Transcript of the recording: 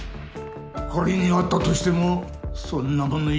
仮にあったとしてもそんなもの